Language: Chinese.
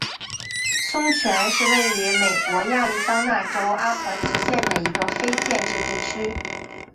松泉是位于美国亚利桑那州阿帕契县的一个非建制地区。